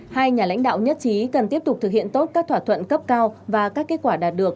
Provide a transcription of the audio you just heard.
hai nhà lãnh đạo nhất trí cần tiếp tục thực hiện tốt các thỏa thuận cấp cao và các kết quả đạt được